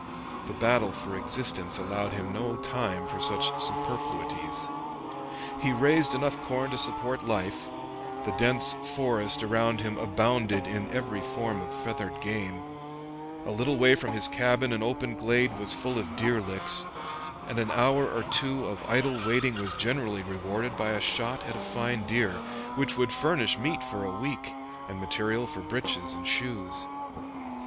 The battle for existence allowed him no time for such superfluities. He raised enough corn to support life; the dense forest around him abounded in every form of feathered game; a little way from his cabin an open glade was full of deer licks, and an hour or two of idle waiting was generally rewarded by a shot at a fine deer, which would furnish meat for a week, and material for breeches and shoes.